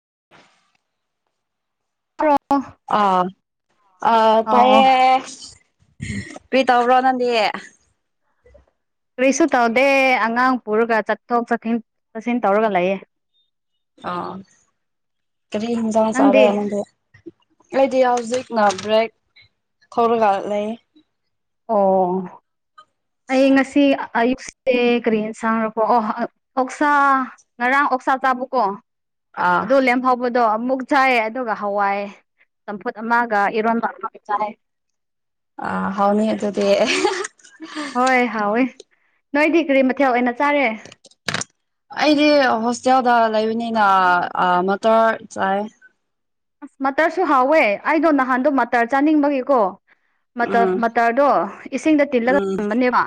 [inaudible] ꯑꯣ ꯑꯥ ꯑ ꯑꯣ ꯇꯌꯦ ꯀꯤ ꯇꯧꯕ꯭ꯔꯣ ꯅꯪꯗꯤ ꯀꯔꯤꯁꯨ ꯇꯧꯗꯦ ꯑꯉꯥꯡ ꯄꯨꯔꯒ ꯆꯊꯣꯛ ꯆꯠꯁꯤꯟ ꯆꯠꯁꯤꯟ ꯇꯧꯔꯒ ꯂꯩꯌꯦ ꯑ ꯀꯔꯤ ꯍꯤꯡꯖꯡ ꯅꯪꯗꯤ ꯁꯔꯦꯗ [unintelligible] ꯑꯩꯗꯤ ꯍꯧꯖꯤꯛꯅ ꯕ꯭ꯔꯦꯛ ꯊꯧꯔꯒ ꯂꯩ ꯑꯣ ꯑꯩ ꯉꯁꯤ ꯑꯌꯨꯛꯁꯦ ꯀꯔꯤꯅ ꯁꯥꯡꯈꯄꯣ ꯑꯣ ꯑꯣꯛꯁꯥ ꯉꯔꯥꯡ ꯑꯣꯛꯁꯥ ꯆꯥꯕꯀꯣ ꯑꯥ ꯑꯗꯨ ꯐꯥꯎꯕ ꯑꯗꯣ ꯑꯃꯨꯛ ꯆꯥꯏ ꯑꯗꯨꯒ ꯍꯋꯥꯏ ꯆꯝꯐꯨꯠ ꯑꯃꯒ ꯏꯔꯣꯟꯕ ꯑꯃꯒ ꯆꯥꯏ ꯑ ꯍꯥꯎꯅꯤ ꯑꯗꯨꯗꯤ ꯍꯣꯏ ꯍꯥꯎꯋꯦ ꯅꯣꯏꯗꯤ ꯀꯔꯤ ꯃꯊꯦꯜ ꯑꯣꯏꯅ ꯆꯥꯔꯦ ꯑꯩꯗꯤ ꯍꯣꯁꯇꯦꯜꯗ ꯂꯩꯕꯅꯤꯅ ꯃꯇꯔ ꯆꯥꯏ ꯑꯁ ꯃꯇꯔꯁꯨ ꯍꯥꯎꯋꯦ ꯑꯩꯗꯣ ꯅꯍꯥꯟꯗꯣ ꯃꯇꯔ ꯆꯥꯅꯤꯡꯕꯒꯤꯀꯣ ꯎꯝ ꯃꯇꯔꯗꯣ ꯏꯁꯤꯡꯗ ꯇꯤꯜꯂꯒ ꯎꯝ ꯊꯝꯕꯅꯦꯕ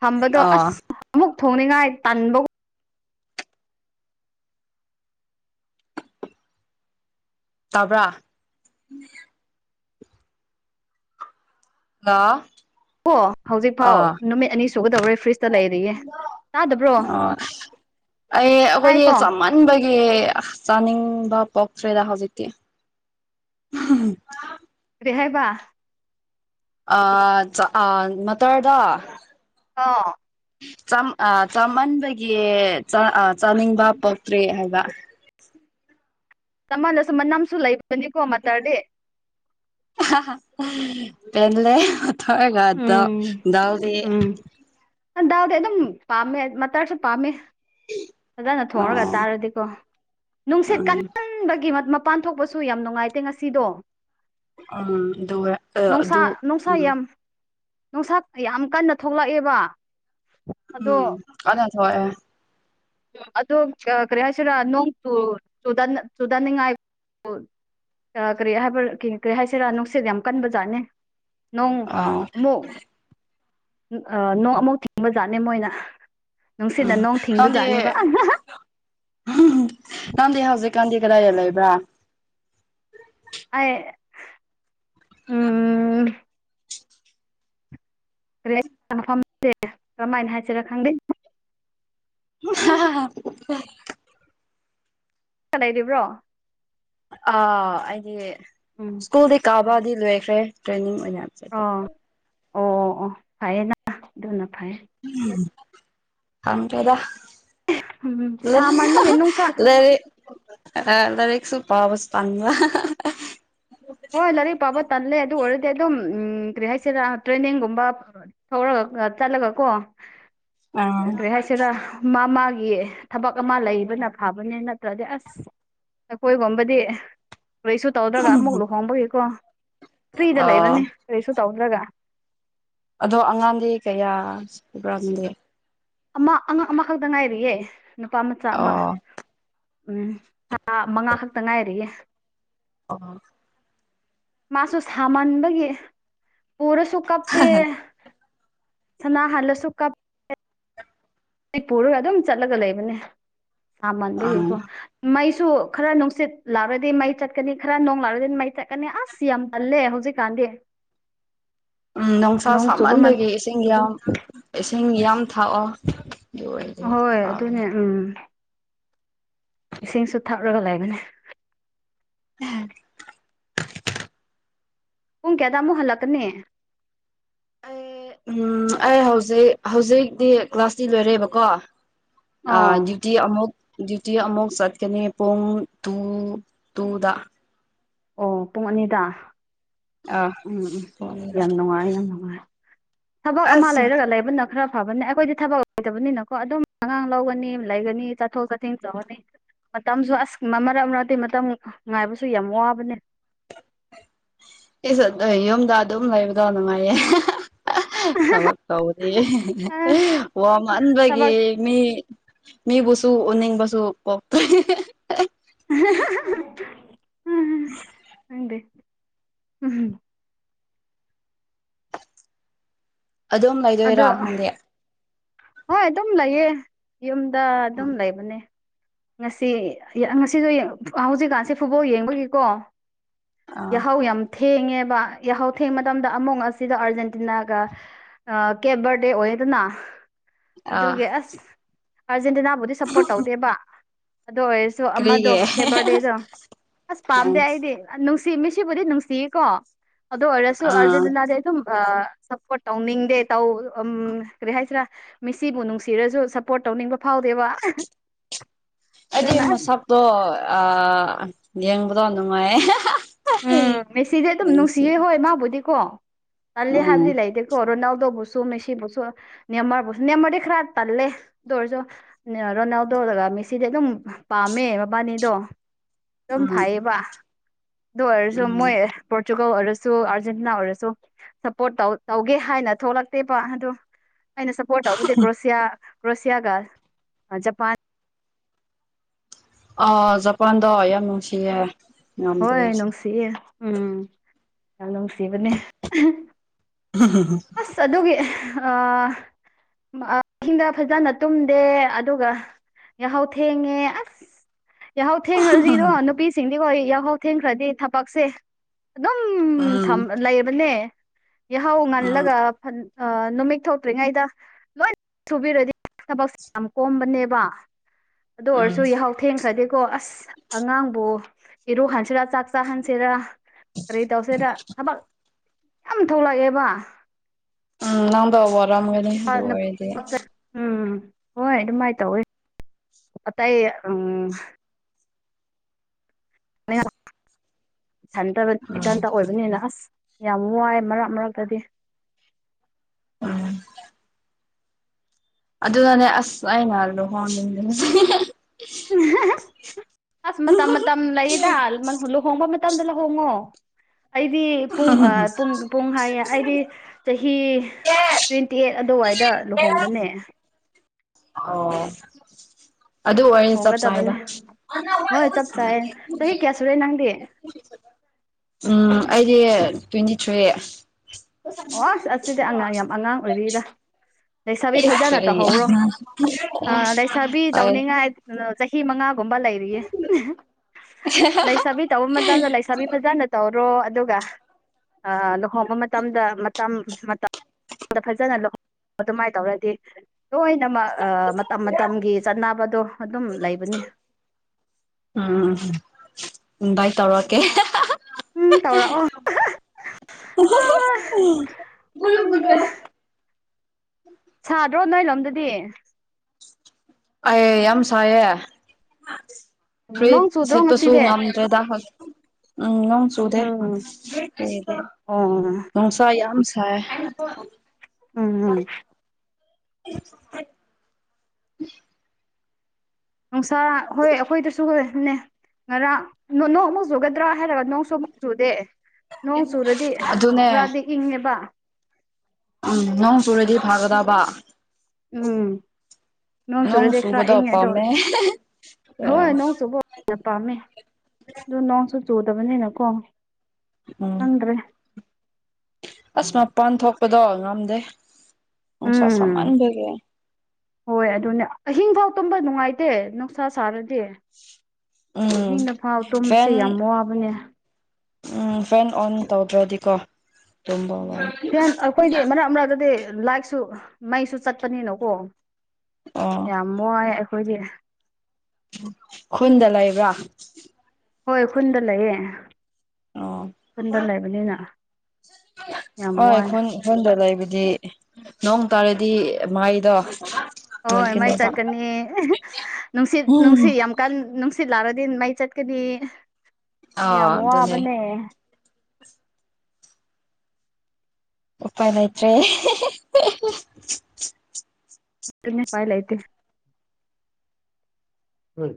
ꯊꯝꯕꯗꯣ ꯑꯥ ꯑꯁ ꯑꯃꯨꯛ ꯊꯣꯡꯅꯤꯡꯉꯥꯏ ꯇꯟꯕꯒꯨꯝ ꯇꯥꯕ꯭ꯔꯥ ꯉ [unintelligible] ꯑꯣ ꯍꯧꯖꯤꯛꯐꯥꯎ ꯅꯨꯃꯤꯠ ꯑꯅꯤ ꯁꯨꯒꯗꯧꯔꯦ ꯐ꯭ꯔꯤꯖ ꯑꯣ ꯑꯩ ꯑꯩꯈꯣꯏꯗꯤ ꯇꯥꯏꯀꯣ ꯆꯃꯟꯕꯒꯤ ꯆꯅꯤꯡ ꯄꯣꯛꯁ꯭ꯔꯦꯗꯥ ꯍꯧꯖꯤꯀꯤ ꯍꯥꯏꯕ ꯑ ꯆ ꯑ ꯃꯇꯔꯗꯥ ꯑꯥ ꯑ ꯆꯥꯃꯟꯕꯒꯤ ꯆꯥꯅꯤꯡꯕ ꯄꯣꯛꯇ꯭ꯔꯦ ꯍꯥꯏꯕ [inaudible] ꯆꯃꯜꯅꯁꯨ ꯃꯅꯝꯁꯨ ꯂꯩꯕꯅꯤ ꯍꯥ ꯍꯥ [inaudible] ꯍꯒꯗ ꯎꯝ ꯌꯥꯎꯗꯤ ꯎꯝ ꯗꯥꯎꯗꯤ ꯑꯗꯨꯝ ꯄꯥꯝꯃꯦ ꯃꯇꯔꯁꯨ ꯄꯥꯝꯃꯦ ꯐꯖꯅ ꯑ ꯊꯣꯡꯉꯒ ꯎꯝ ꯆꯥꯔꯗꯤꯀꯣ ꯅꯨꯡꯁꯤꯠ ꯎꯝ ꯀꯟꯕꯒꯤ ꯄꯥꯟ ꯊꯣꯛꯄꯁꯨ ꯌꯥꯝ ꯅꯨꯡꯉꯥꯏꯇꯦ ꯉꯁꯤꯗꯣ ꯎꯝ ꯑꯗꯨ ꯑ ꯅꯨꯡꯁꯥ ꯑꯗꯨ ꯅꯨꯡꯁꯥ ꯎꯝ ꯌꯥꯝ ꯅꯨꯡꯁꯥ ꯌꯥꯝ ꯀꯟꯅ ꯊꯣꯛꯂꯛꯑꯦꯕ ꯎꯝ ꯀꯅꯥꯊꯋꯥꯏ ꯑꯣ ꯀ꯭ꯔꯦꯍꯁꯤꯔ ꯅꯣꯡ ꯆꯨꯗꯥꯅꯤꯡꯉꯥꯏ ꯀꯔꯤ ꯍꯥꯏꯕ ꯀꯔꯤ ꯍꯥꯏꯁꯤꯔꯥ ꯅꯨꯡꯁꯤꯠ ꯌꯥꯝ ꯀꯟꯕ ꯖꯥꯠꯅꯦ ꯅꯣꯡ ꯑꯥ ꯑꯃꯨꯛ ꯅꯣꯡ ꯑꯃꯨꯛ ꯊꯤꯡꯕ ꯖꯥꯠꯅꯦ ꯃꯣꯏꯅ ꯅꯨꯡꯁꯤꯠꯅ ꯎꯝ ꯅꯣꯡ ꯊꯤꯡꯕ ꯅꯪꯗꯤ ꯖꯥꯠꯅꯦꯕ ꯑ ꯅꯪꯗꯤ ꯍꯧꯖꯤꯛꯀꯥꯟꯗꯤ ꯀꯗꯥꯏꯗ ꯂꯩꯕ꯭ꯔꯥ ꯑ ꯎꯝ ꯐꯝꯁꯦ ꯀꯔꯝꯥꯏꯅ ꯍꯥꯏꯁꯤꯔ ꯈꯪꯗꯦ ꯎ ꯀ ꯂꯩꯏꯕ꯭ꯔꯣ ꯑ ꯑꯩꯗꯤ ꯎꯝ ꯁ꯭ꯀꯨꯜꯗꯤ ꯀꯥꯕꯗꯤ ꯂꯣꯏꯈ꯭ꯔꯦ ꯇ꯭ꯔꯦꯅꯤꯡ ꯥ ꯆ ꯑꯣ ꯑꯣ ꯑꯣ ꯐꯩꯌꯦꯅ ꯑꯗꯨꯅ ꯐꯩꯌꯦ ꯎꯝ ꯍꯗꯗ ꯎꯝ ꯂ ꯁꯥꯃꯟꯕꯒꯤ ꯅꯨꯡꯁꯥ ꯂꯔꯤ ꯑꯗꯔꯦꯁꯨ ꯄꯋꯥꯕꯨꯁ ꯇꯥꯟꯖ ꯍꯣꯏ ꯂꯥꯏꯔꯤꯛ ꯄꯥꯕ ꯇꯜꯂꯦ ꯑꯗꯨ ꯑꯣꯏꯔꯗꯤ ꯑꯗꯨꯝꯝ ꯀꯔꯤ ꯍꯥꯏꯁꯤꯦꯔꯥ ꯇ꯭ꯔꯦꯟꯅꯤꯡꯒꯨꯝꯕ ꯊꯧꯔꯒ ꯆꯠꯂꯒ ꯀꯣ ꯑꯥ ꯀ ꯍꯥꯏꯁꯤꯔ ꯊꯕꯛ ꯑꯃ ꯂꯩꯕꯅ ꯐꯕꯅꯤ ꯅꯠꯇ꯭ꯔꯗꯤ ꯑꯁ ꯑꯩꯈꯣꯏꯒꯨꯝꯕꯗꯤ ꯀꯩꯁꯨ ꯇꯧꯗ꯭ꯔꯒ ꯑꯃꯨꯛ ꯂꯨꯍꯣꯡꯕꯒꯤꯀꯣ ꯐ꯭ꯔꯤꯗ ꯑꯣ ꯂꯩꯕꯅꯤ ꯀꯔꯤꯁꯨ ꯇꯧꯅꯤ ꯂꯒ ꯑꯗꯣ ꯑꯉꯥꯡꯗꯤ ꯀꯌꯥ ꯂꯩꯕ꯭ꯔꯥꯝꯒꯦ ꯑꯃ ꯑꯉꯥꯡ ꯑꯃꯈꯛꯇ ꯉꯥꯏꯔꯤꯌꯦꯦ ꯅꯨꯄꯥ ꯃꯆꯥ ꯑꯃ ꯑꯣ ꯎꯝ ꯊꯥ ꯃꯉꯥ ꯈꯛꯇ ꯉꯥꯏꯔꯤꯌꯦꯦ ꯑ ꯃꯥꯁꯨ ꯁꯥꯃꯟꯕꯒꯤ ꯄꯔꯁꯨ ꯀꯞꯄꯦ ꯁꯅꯥ ꯍꯂꯁꯨ ꯀꯞ ꯃ ꯄꯨꯔꯒ ꯑꯗꯨꯝ ꯆꯠꯂꯒ ꯂꯩꯕꯅꯦ ꯁꯥꯃꯟꯕꯒꯤꯀꯣ ꯑꯪ ꯃꯩ ꯁꯨ ꯈꯔ ꯅꯨꯡꯁꯤꯠ ꯂꯥꯛꯔꯗꯤ ꯃꯩ ꯆꯠꯀꯅꯤ ꯈꯔ ꯅꯅꯨꯡ ꯂꯥꯎꯔꯗꯤ ꯃꯩ ꯆꯠꯀꯅꯤ ꯑꯁ ꯌꯥꯝ ꯇꯜꯂꯦ ꯍꯧꯖꯤꯛꯀꯥꯟꯗꯤ ꯎ ꯎꯝ ꯅꯨꯡꯁꯥ ꯅꯣꯡ ꯆꯨꯕ ꯃꯟ ꯁꯥꯃꯟꯕꯗꯒꯤ ꯏꯁꯤꯡ ꯌꯥꯝ ꯏꯁꯤꯡ ꯌꯥꯝ ꯊꯥꯛꯑꯣ ꯑꯗꯨ ꯑꯣꯏꯔꯗꯤ ꯍꯣꯏ ꯐꯕꯅꯦ ꯑꯗꯨꯅꯦ ꯎꯝ ꯏꯁꯤꯡꯁꯨ ꯊꯛꯂꯒ ꯂꯩꯒꯅꯤ ꯑ ꯄꯨꯡ ꯀꯌꯥꯗ ꯑꯃꯨꯛ ꯍꯜꯂꯛꯀꯅꯦ ꯑꯦ ꯎ ꯑꯩ ꯍꯧꯖꯤꯛ ꯍꯧꯖꯤꯛꯇꯤ ꯀ꯭ꯂꯥꯁꯇꯤ ꯂꯣꯏꯔꯦꯕꯀꯣ ꯑꯣ ꯑꯇ ꯑꯃꯃ ꯗ꯭ꯌꯨꯇꯤ ꯑꯃꯨꯛ ꯆꯠꯀꯅꯤ ꯄꯨꯡ ꯇꯨ ꯇꯨꯗ ꯑꯣ ꯄꯨꯡ ꯑꯅꯤꯗ ꯑꯥ ꯎꯝ ꯎꯝ ꯄꯨꯡ ꯑꯅꯤꯗ ꯌꯥꯝ ꯅꯨꯡꯉꯥꯏꯔꯦ ꯌꯥꯝ ꯅꯨꯡꯉꯥꯏꯔꯦ ꯊꯕꯛ ꯑꯃ ꯑꯁ ꯂꯩꯔꯒ ꯂꯩꯕꯅ ꯈꯔ ꯐꯕꯅꯦ ꯑꯩꯈꯣꯏꯗꯤ ꯊꯕꯛ ꯑꯣꯏꯇꯕꯅꯤꯅꯀꯣ ꯑꯗꯨꯝ ꯑꯉꯥꯡ ꯂꯧꯒꯅꯤ ꯂꯩꯒꯅꯤ ꯆꯠꯊꯣꯛ ꯆꯥꯁꯤꯟ ꯇꯧꯒꯅꯤ ꯃꯇꯝꯁꯨ ꯑꯁ ꯃꯔꯛ ꯃꯔ ꯑꯇꯩ ꯃꯇꯝ ꯉꯥꯏꯕꯁꯨ ꯌꯥꯝ ꯋꯥꯕꯅꯦ ꯏꯁꯁꯨ ꯑꯗꯨ ꯌꯨꯝꯗ ꯑꯗꯨꯝ ꯂꯩꯕꯗꯣ ꯅꯨꯡꯉꯥꯏꯌꯦ ꯊꯕꯛ ꯀꯧꯔꯤ ꯑꯁ ꯋꯥꯃꯟꯕꯒꯤ ꯊꯕꯛ ꯃꯤ ꯃꯤ ꯁꯨ ꯑꯣꯅꯤ ꯁ ꯄ ꯎꯝ ꯎꯝ ꯑꯗꯨꯝ ꯑꯗꯣ ꯂꯩꯗꯣꯏꯔꯥ ꯅꯪꯗꯤꯦ ꯍꯣꯏ ꯑꯗꯨꯝ ꯂꯩꯌꯦ ꯌꯨꯝꯗ ꯑꯗꯨꯝ ꯂꯩꯕꯅꯦ ꯉꯁꯤ ꯉꯁꯤꯁꯨ ꯍꯧꯖꯤꯛꯀꯥꯟꯁꯤꯦ ꯐꯨꯠꯕꯣꯜ ꯌꯦꯡꯕꯒꯤꯀꯣ ꯑꯥ ꯌꯥꯍꯧ ꯌꯝ ꯊꯦ ꯊꯦꯡꯉꯦꯕ ꯌꯥꯍꯧ ꯊꯦꯡꯕ ꯃꯇꯝꯗ ꯑꯃꯨꯛ ꯑꯁꯤꯗ ꯑꯥꯔꯖꯦꯟꯇꯤꯅꯥꯒ ꯀꯦꯞ ꯕꯔꯗꯦ ꯑꯣꯏ ꯑꯗꯨꯅ ꯑꯥ ꯑꯗꯨꯒꯤ ꯑꯁ ꯑꯥꯔꯖꯦꯟꯇꯤꯅꯥꯕꯨꯗꯤ ꯁꯞꯄꯣꯔꯠ ꯇꯧꯗꯦꯕ ꯑꯗꯨ ꯑꯣꯏꯔꯁꯨ ꯑꯃꯗꯣ ꯀꯔꯤꯒꯤ ꯀꯦꯕꯔꯗꯦꯗꯣ ꯑꯁ ꯄꯥꯝꯗꯦ ꯎꯝ ꯑꯩꯗꯤ ꯅꯨꯡ ꯁꯤ ꯃꯤꯁꯤꯕꯨꯗꯤ ꯅꯨꯡꯁꯤꯌꯦꯀꯣ ꯑꯗꯨ ꯑꯣꯏꯔꯁꯨ ꯑꯥ ꯑꯥꯔꯖꯦꯟꯇꯤꯅꯥꯗꯤ ꯑꯗꯨꯝ ꯁꯞꯄꯣꯔꯠ ꯇꯧꯅꯤꯡꯗꯦ ꯇꯧ ꯎ ꯀꯔꯤ ꯍꯥꯏꯁꯤꯔꯥ ꯃꯤꯁꯤꯕꯨ ꯅꯨꯡꯁꯤꯔꯁꯨ ꯁꯞꯄꯣꯔꯠ ꯇꯧꯅꯤꯡꯕ ꯐꯥꯎ ꯍꯥꯎꯗꯦꯕ [unintelligible] ꯑꯩꯗꯤ ꯃꯁꯛꯇꯣ ꯌꯦꯡꯕꯗꯣ ꯅꯨꯡꯉꯥꯏꯌꯦ ꯎꯝ ꯃꯦꯁꯤꯗꯤ ꯑꯗꯨꯝ ꯅꯨꯡꯁꯤꯌꯦ ꯍꯣꯏ ꯃꯥꯕꯨꯗꯤꯀꯣ ꯇꯜꯂ ꯎꯝ ꯍꯥꯏꯕꯗꯤ ꯂꯩꯗꯤꯦꯀꯣ ꯔꯣꯅꯥꯜ ꯗ ꯁꯨ ꯃꯦꯁꯤ ꯁꯨ ꯅꯦꯃꯔ ꯁ ꯅꯦꯃꯗꯤ ꯈꯔꯞ ꯇꯥꯦꯔꯖ ꯔꯅꯗꯣ ꯂꯒ ꯃꯤꯁꯤꯗꯤ ꯑꯗꯨꯝ ꯄꯥꯝꯃꯦ ꯃꯕꯥꯅꯤꯗꯣ ꯑꯗꯨꯝ ꯎꯝ ꯐꯥꯏꯕ ꯗꯔꯁꯨ ꯎꯝ ꯃꯣꯏ ꯄꯣꯔꯇꯨꯒꯜ ꯑꯣꯏꯔꯁꯨ ꯑꯥꯔꯖꯦꯟꯇꯤꯅꯥ ꯑꯣꯏꯔꯁꯨ ꯁꯞꯄꯣꯔꯠꯧ ꯇꯧꯒꯦ ꯍꯥꯏꯅ ꯊꯣꯛꯂꯛꯇꯦꯕ ꯑꯗꯨ ꯑꯩꯅ ꯁꯞꯄꯣꯔꯠ ꯇꯧꯕꯗꯦ ꯀ꯭ꯔꯣꯁꯤꯌꯥ ꯀ꯭ꯔꯣꯁꯤꯌꯥꯒ ꯖꯄꯥꯟ ꯑ ꯖꯄꯥꯟꯗꯣ ꯌꯥꯝ ꯅꯨꯡꯁꯤꯌꯦꯦ ꯍꯣꯏ ꯅꯨꯡꯁꯤꯌꯦ ꯎꯝ ꯌꯥꯝ ꯅꯨꯡꯁꯤꯕꯅꯦ ꯑꯁ ꯑꯗꯨꯒꯤ ꯏꯁꯤꯡꯗ ꯐꯖꯅ ꯇꯨꯝꯗꯦ ꯑꯗꯨꯒ ꯌꯥ ꯍꯥꯎ ꯊ ꯍꯦꯉꯦ ꯌꯥꯍꯥꯎ ꯊꯦꯡꯈ꯭ꯔꯗꯤꯔꯣ ꯅꯨꯄꯤꯁꯤꯡꯗꯤꯀꯣ ꯌꯥꯍꯥꯎ ꯊꯦꯡꯈ꯭ꯔꯗꯤ ꯊꯕꯛꯁꯦ ꯑꯗꯨꯝ ꯎꯝ ꯂꯩꯕꯅꯦ ꯌꯥꯍꯧ ꯉꯜꯂ ꯎꯝ ꯅꯨꯃꯤꯠ ꯊꯣꯛꯇ꯭ꯔꯤꯉꯩꯗ ꯂꯣꯏ ꯁꯨꯕꯤꯔꯗꯤ ꯊꯕꯛꯁꯦ ꯌꯥꯝ ꯀꯣꯝꯕꯅꯦꯕ ꯑꯗꯨ ꯎꯝ ꯑꯣꯏꯔꯁꯨ ꯌꯥꯍꯥꯎ ꯊꯦꯡꯈ꯭ꯔꯗꯤꯀꯣ ꯑꯁ ꯑꯉꯥꯡꯕꯨ ꯏꯔꯣꯛꯍꯟꯁꯤꯔꯥ ꯆꯥꯛ ꯆꯥꯍꯟꯁꯤꯔꯥ ꯀꯔꯤ ꯇꯧꯁꯦꯗ ꯊꯕꯛ ꯌꯥꯝ ꯊꯣꯛꯂꯛꯑꯦꯕ ꯎꯝ ꯅꯪꯗ ꯋꯥꯔꯝꯒꯅꯤ ꯑꯗꯨ ꯑꯣꯏꯔꯗꯤ ꯎꯝ ꯍꯣꯏ ꯑꯗꯨꯃꯥꯏꯅ ꯇꯧꯋꯤ ꯑꯇꯩ ꯎꯝ ꯈꯟꯊꯕ ꯏꯀꯟꯇ ꯑꯣꯏꯕꯅꯤꯅ ꯑꯁ ꯌꯥꯝ ꯋꯥꯏ ꯃꯔꯛ ꯃꯔꯛꯇꯗꯤ ꯎꯝ ꯑꯗꯨꯅꯅꯦ ꯑꯁ ꯑꯩꯅ ꯂꯨꯍꯣꯡꯅꯤꯡꯗꯅꯁꯤ ꯑꯁ ꯃꯇꯝ ꯃꯇꯝ ꯂꯩꯗ ꯂꯨꯍꯣꯡꯕ ꯃꯇꯝꯗ ꯂꯨꯍꯣꯡꯉꯣ ꯑꯩꯗꯤ ꯄꯨꯡ ꯄꯨꯡ ꯄꯨꯡ ꯍꯥꯏꯌꯦ ꯑꯩꯗꯤ ꯆꯍꯤ ꯇ꯭ꯋꯦꯟꯇꯤ ꯑꯩꯠ ꯑꯗꯨꯋꯥꯏꯗ ꯂꯨꯍꯣꯡꯕꯅꯦ ꯑꯣ ꯑꯗꯨ ꯑꯣꯏꯅꯤ ꯆꯞ ꯆꯥ ꯍꯥꯏꯅ ꯍꯣꯡꯒꯗꯕꯅꯦ ꯍꯣꯏ ꯆꯞ ꯆꯥꯏ ꯆꯍꯤ ꯀꯌꯥ ꯁꯨꯔꯦ ꯅꯪꯗꯤ ꯎꯝ ꯑꯩꯗꯤ ꯇ꯭ꯋꯦꯟꯇꯤ ꯊ꯭ꯔꯤ ꯑꯣ ꯑꯁ ꯑꯁꯤꯗꯤ ꯑꯉꯥꯡ ꯌꯥꯝ ꯑꯉꯥꯡ ꯑꯣꯏꯔꯤꯔ ꯂꯩꯁꯥꯕꯤ ꯏꯁ ꯐꯖꯅ ꯀꯔꯤ ꯇꯧꯍꯧꯔꯣ ꯑꯥ ꯂꯩꯁꯥꯕꯤ ꯍꯣꯏ ꯇꯧꯅꯤꯡꯉꯥꯏ ꯆꯍꯤ ꯃꯉꯥꯒꯨꯝꯕ ꯂꯩꯔꯤꯌꯦ ꯂꯩꯁꯥꯕꯤ ꯇꯧꯕ ꯃꯇꯝꯗ ꯂꯩꯁꯥꯕꯤ ꯐꯖꯅ ꯇꯧ ꯭ꯔꯣ ꯑꯗꯨꯒ ꯂꯨꯍꯣꯡꯕ ꯃꯇꯝꯗ ꯃꯇꯝ ꯃꯇꯝ ꯐꯖꯅ ꯂꯧ ꯑꯗꯨꯃꯥꯏꯅ ꯇꯧꯔꯗꯤ ꯂꯣꯏꯅꯃꯛ ꯃꯇꯝ ꯃꯇꯝꯒꯤ ꯆꯠꯅꯕꯗꯣ ꯑꯗꯨꯝ ꯂꯩꯕꯅꯤ ꯑꯝ ꯏꯟꯚꯥꯏꯠ ꯇꯧꯔꯛꯀꯦ ꯎꯝ ꯇꯧꯔꯛꯑꯣ ꯑꯥ [unintelligible] ꯁꯥꯗ꯭ꯔꯣ ꯅꯣꯏ ꯂꯣꯝꯗꯗꯤ ꯑꯩ ꯌꯥꯝ ꯁꯥꯏꯌꯦꯦ ꯐꯨꯔꯤꯠ ꯅꯣꯡ ꯆꯨꯗ꯭ꯔꯣ ꯁꯦꯠꯄꯁꯨ ꯉꯁꯤꯗꯤ ꯉꯝꯗ꯭ꯔꯦꯗ ꯍ ꯎꯝ ꯅꯣꯡ ꯆꯨꯗꯦ ꯎꯝ ꯀꯗꯤ ꯑꯣ ꯎꯝ ꯅꯨꯡꯁꯥ ꯌꯥꯝ ꯍ ꯎꯝ ꯍꯝ [unintelligible] ꯅꯨꯡꯁꯥꯔ ꯍꯣꯏ ꯑꯩꯈꯣꯏꯗꯁꯨ ꯍꯅꯦ ꯉꯔꯥꯡ ꯅꯣꯡꯃꯨꯛ ꯆꯨꯒꯗ꯭ꯔꯥ ꯍꯥꯏꯔꯒ ꯅꯣꯡꯁꯨ ꯑꯃꯨꯛ ꯆꯨꯗꯦ ꯅꯣꯡ ꯆꯨꯔꯗꯤ ꯑꯗꯨꯅꯦ ꯈꯔꯗꯤ ꯏꯪꯉꯦꯕ ꯎꯝ ꯅꯣꯡꯣꯟ ꯁꯨꯔꯗꯤ ꯐꯔꯗꯥꯕꯕꯥ ꯎꯝ ꯅꯣꯡ ꯆꯨꯔꯗꯤ ꯈꯔ ꯏꯪꯉꯦ ꯑꯗꯣ ꯍꯣꯏ ꯅꯣꯡ ꯆꯨꯕ ꯄꯥꯝꯃꯦ ꯑꯗꯨꯣ ꯅꯣꯡꯁꯨꯣ ꯆꯧꯗꯕꯅꯦꯅꯀꯣ ꯎꯝ ꯅꯪ꯭ꯔꯦ ꯑꯁ ꯃꯄꯥꯟ ꯊꯣꯛꯄꯗꯣ ꯉꯝꯗꯦ ꯅꯨꯡꯁꯥ ꯎꯝ ꯁꯥꯃꯟꯈꯒꯦ ꯍꯣꯏ ꯑꯗꯨꯅꯦ ꯑꯍꯤꯡ ꯐꯥꯎ ꯇꯨꯝꯕ ꯅꯨꯡꯉꯥꯏꯇꯦ ꯅꯨꯡꯁꯥ ꯁꯥꯔꯗꯤ ꯎꯝ ꯑꯍꯤꯡꯅ ꯐꯥꯎ ꯇꯣꯝꯕꯁꯦ ꯐꯦꯟ ꯌꯥꯝ ꯋꯥꯕꯅꯦ ꯎꯝ ꯐꯦꯟ ꯑꯣꯟ ꯇꯧꯗ꯭ꯔꯗꯤꯀꯣ ꯇꯨꯝꯕ ꯋꯥꯏ ꯍꯦꯟ ꯑꯩꯈꯣꯏꯗꯤ ꯃꯔꯛ ꯃꯔꯛꯇꯗꯤ ꯂꯥꯏꯔꯤꯛꯁꯨ ꯃꯩꯁꯨ ꯆꯠꯄꯅꯤꯅꯀꯣ ꯑꯣ ꯌꯥꯝꯃꯣ ꯑꯩꯈꯣꯏꯗꯤ ꯍꯟꯂ ꯏꯕ꯭ꯔ ꯍꯣꯏ ꯈꯨꯟꯗ ꯂꯩꯌꯦ ꯑꯣ ꯈꯨꯟꯗ ꯂꯩꯕꯅꯤꯅ ꯍꯣꯏ ꯌꯥꯝ ꯋꯥꯏ ꯑꯩꯣꯟ ꯑꯩꯣꯟꯗ ꯂꯩꯕꯗꯤ ꯅꯣꯡ ꯇꯥꯔꯗꯤ ꯃꯥꯏꯗꯣ ꯍꯣꯏ ꯃꯥꯏ ꯆꯠꯀꯅꯤ ꯅꯨꯡꯁꯤꯠ ꯎꯝ ꯅꯨꯡꯁꯤꯠ ꯌꯥꯝ ꯀꯥꯟꯅꯨꯡꯁꯤ ꯁꯤꯜꯂꯥꯔꯗꯤ ꯃꯩ ꯆꯠꯀꯗꯤ ꯌꯥꯝ ꯑꯥ ꯑꯗꯨꯅꯦ ꯋꯥꯕꯅꯦ ꯎꯄꯥꯏ ꯂꯩꯇ꯭ꯔꯦ ꯐꯥꯏꯜ ꯎꯣꯏ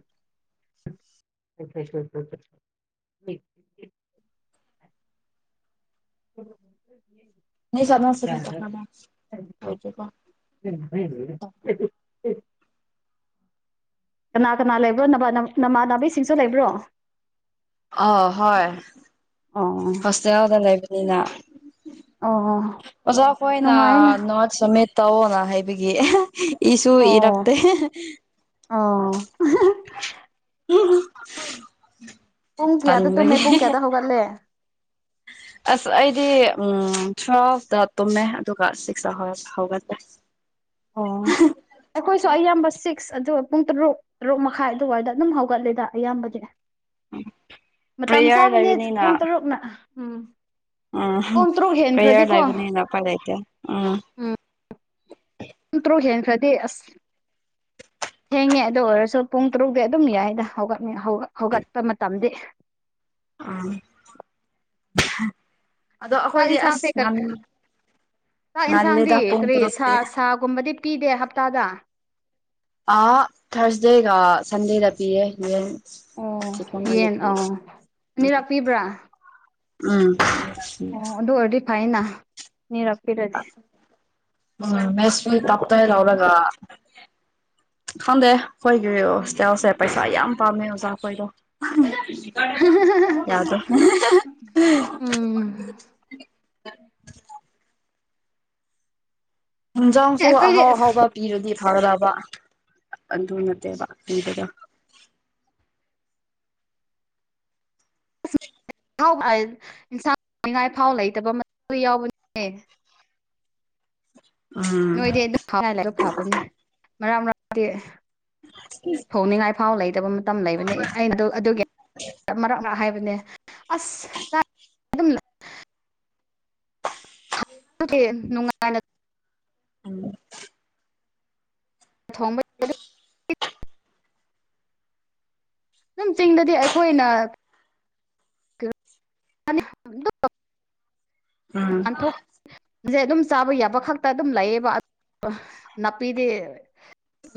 ꯑ ꯎꯝ ꯁ ꯎ ꯀꯅꯥ ꯀꯅꯥ ꯂꯩꯕ꯭ꯔꯣ ꯅꯃꯥꯟ ꯅꯥꯕꯤꯁꯤꯡꯁꯨ ꯂꯩꯕ꯭ꯔꯣ ꯑ ꯍꯣꯏ ꯑꯣ ꯍꯣꯁꯇꯦꯜꯗ ꯂꯩꯕꯅꯤꯅ ꯑꯣ ꯃꯖꯥꯐ ꯑꯣꯏꯣꯏꯅ ꯅꯨꯡꯉꯥꯏꯅ ꯅ ꯁꯃꯦꯠ ꯇꯑꯣꯅ ꯍꯥꯏꯕꯒꯤ ꯏꯁꯨ ꯑꯣ ꯏꯔꯛꯇꯦ ꯑꯣ ꯎꯝ ꯄꯨꯡ ꯀꯌꯥꯗ ꯇꯨꯝꯃꯦ ꯄꯨꯡ ꯀꯌꯥꯗ ꯍꯧꯒꯠꯂꯦ ꯑꯁ ꯑꯩꯗꯤ ꯎ ꯇ꯭ꯨꯋꯦꯜꯐꯇ ꯇꯨꯝꯃꯦ ꯑꯗꯨꯒ ꯁꯤꯛꯁꯇ ꯍꯧꯒꯠꯂꯦ ꯑꯣ ꯑꯩꯈꯣꯏꯁꯨ ꯑꯌꯥꯝꯕ ꯁꯤ ꯁꯤꯛꯁ ꯑꯗꯨꯒ ꯄꯨꯡ ꯇꯔꯨꯛ ꯇꯔꯨꯛ ꯃꯈꯥꯏ ꯑꯗꯨꯋꯥꯏꯗ ꯑꯗꯨꯝ ꯍꯧꯒꯠꯂꯦꯗ ꯑꯌꯥꯝꯕꯗꯤ ꯃꯇꯝ ꯄ꯭ꯔꯦꯌꯔ ꯆꯥꯕꯅꯦ ꯄꯨꯡ ꯇꯔꯨꯛꯅ ꯎꯝ ꯑꯝ ꯄꯨꯡ ꯇꯔꯨꯛ ꯍꯦꯟꯈ꯭ꯔꯗꯤꯀꯣ ꯄꯌꯥꯔꯥꯏꯅꯦꯅꯄꯗꯥꯏꯇ ꯎꯝ ꯇꯟ ꯇ꯭ꯔꯣ ꯍꯦꯟꯦꯟ ꯈ꯭ꯔꯗꯤ ꯑꯁ [unintelligible] ꯊꯦꯡꯉꯦ ꯑꯗꯨ ꯑꯣꯏꯔꯁꯨ ꯄꯨꯡ ꯇꯔꯨꯛꯇꯗꯤ ꯑꯗꯨꯝ ꯌꯥꯏꯅ ꯍꯧꯒꯠ ꯍꯧꯒꯠꯄ ꯃꯇꯝꯗꯤ ꯑ ꯆꯥꯛ ꯌꯦꯟꯁꯥꯡꯁꯦ ꯆꯥꯛ ꯌꯦꯟꯁꯥꯡꯗꯤ ꯉꯜꯂꯦꯗ ꯄꯨꯡ ꯀꯔꯤ ꯁꯥ ꯇꯔꯨꯛꯇꯤ ꯁꯥꯒꯨꯝꯕꯗꯤ ꯄꯤꯗꯦ ꯍꯞꯇꯥꯗ ꯑ ꯊꯥꯔꯁꯗꯦꯒ ꯁꯟꯗꯦꯗ ꯄꯤꯌꯦꯦ ꯌꯦꯡ ꯑꯣ ꯁꯤ ꯎ ꯌꯦꯟ ꯑꯧ ꯑꯅꯤꯔꯛ ꯄꯤꯕ꯭ꯔꯥ ꯎꯝ ꯑꯣ ꯑꯗꯨ ꯑꯣꯏꯔꯗꯤ ꯐꯥꯏꯅ ꯃꯤꯔꯞꯄꯤꯔꯗꯤ ꯎꯝ ꯃꯦꯁꯔꯤ ꯇꯞꯇ ꯏꯂ ꯑꯣꯔꯒ ꯍꯗꯦ ꯑꯩꯈꯣꯏꯒꯤ ꯍꯣꯁꯇꯦꯜꯁꯦ ꯄꯩꯁꯥ ꯌꯥꯝ ꯄꯥꯝꯃꯦ ꯑꯣꯖꯥꯈꯣꯏꯗꯣ ꯌꯥꯗꯣ ꯎꯝ [unintelligible] ꯌꯦꯟꯖꯥꯡꯁꯨ ꯑꯩꯈꯣꯏꯗꯤ ꯑꯍꯥꯎ ꯑꯍꯥꯎꯕ ꯄꯤꯔꯗꯤ ꯊꯔꯕ ꯑꯗꯨ ꯅꯠꯇꯦꯕ ꯍꯗꯨꯗ ꯥꯎ ꯏꯟꯁꯥꯡꯅꯤꯡꯉꯥꯏ ꯑꯐꯥꯎ ꯂꯩꯇꯕ ꯌꯥꯎꯕꯅꯤꯅꯦ ꯎꯝ ꯅꯣꯏꯗꯤ ꯑꯗꯨ ꯑꯗꯨ ꯐꯥꯕꯅꯤ ꯃꯔꯥꯡ ꯃꯔ ꯊꯣꯡꯅꯤꯡꯉꯥꯏ ꯐꯥꯎ ꯂꯩꯇꯕ ꯃꯇꯝ ꯂꯩꯕꯅꯤ ꯑꯩꯅ ꯑꯗꯨꯒꯤ ꯃꯔꯛ ꯃꯔ ꯅꯦ ꯑꯁꯝ ꯦ ꯅꯨꯡꯉꯥꯏꯅ ꯎꯝ ꯊꯣꯡꯝꯕ [unintelligible] ꯑꯗꯨꯝ ꯆꯤꯡꯗꯗꯤ ꯑꯩꯈꯣꯏꯅ [unintelligible] ꯎꯝ ꯁꯦ ꯑꯗꯨꯝ ꯆꯥꯕ ꯌꯥꯕ ꯈꯛꯇ ꯑꯗꯨꯝ ꯂꯩꯌꯦꯕ ꯅꯥꯄꯤꯗꯤ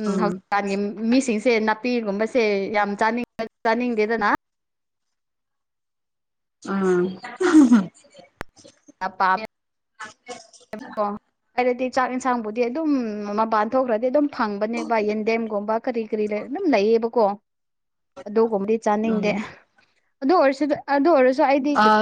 ꯎꯝ ꯍꯧꯖꯤꯛꯀꯥꯟꯒꯤ ꯃꯤꯁꯤꯡꯁ ꯁꯦ ꯅꯥꯄꯤꯒꯨꯝꯕꯁꯦ ꯌꯥꯝ ꯆꯥꯅꯤꯡ ꯆꯥꯅꯤꯡꯗꯦꯗꯅ ꯎꯝ ꯑ ꯍꯥꯏꯔꯗꯤ ꯆꯥꯛ ꯌꯦꯟꯁꯥꯡꯕꯨꯗꯤ ꯑꯗꯨꯝ ꯃꯄꯥꯟ ꯊꯣꯛꯈ꯭ꯔꯗꯤ ꯑꯗꯨꯝ ꯐꯪꯕꯅꯦꯕ ꯌꯦꯟꯗꯦꯝꯒꯨꯝꯕ ꯀꯔꯤ ꯀꯔꯤ ꯂꯩ ꯑꯗꯨꯝ ꯂꯩꯌꯦꯕꯀꯣ ꯑꯗꯨꯒꯨꯝꯕꯗꯤ ꯎꯝ ꯆꯥꯅꯤꯡꯗꯦ ꯑꯗꯨ ꯑꯣꯏꯔꯁꯨ ꯑꯗꯨ ꯑꯣꯏꯔꯁꯨ ꯑꯩꯗꯤ ꯑꯥ